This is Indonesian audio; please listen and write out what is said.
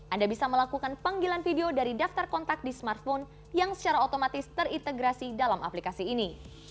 anda bisa melakukan panggilan video dari daftar kontak di smartphone yang secara otomatis terintegrasi dalam aplikasi ini